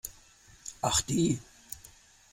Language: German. Ach die!